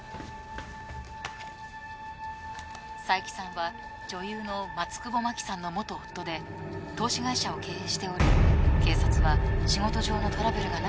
佐伯さんは女優の松久保真希さんの元夫で投資会社を経営しており警察は仕事上のトラブルがなかったかどうか。